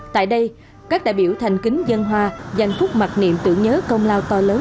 tại đây các đại biểu thành kính dân hoa dành phúc mặt niệm tưởng nhớ công lao to lớn